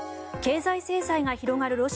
経済制裁が広がる